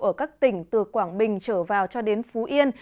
ở các tỉnh từ quảng bình trở vào cho đến phú yên